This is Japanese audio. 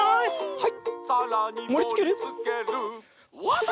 はい。